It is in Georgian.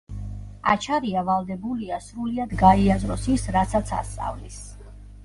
აჩარია ვალდებულია, სრულიად გაიაზროს ის, რასაც ასწავლის.